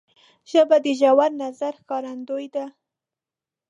ژبه د ژور نظر ښکارندوی ده